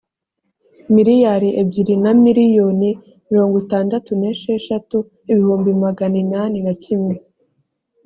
miliyari ebyiri na miliyoni mirongo itandatu n esheshatu ibihumbi magana inani na kimwe